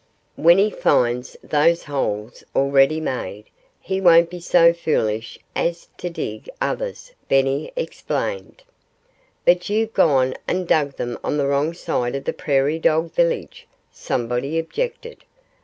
"When he finds those holes already made, he won't be so foolish as to dig others," Benny explained. "But you've gone and dug them on the wrong side of the Prairie Dog village!" somebody objected.